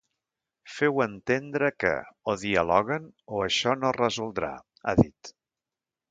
Feu entendre que o dialoguen o això no es resoldrà, ha dit.